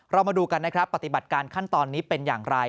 เรามาดูกันนะครับปฏิบัติการขั้นตอนนี้เป็นอย่างไร